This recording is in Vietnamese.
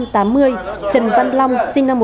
trần văn long sinh năm một nghìn chín trăm tám mươi bảy